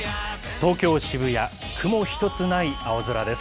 東京・渋谷、雲一つない青空です。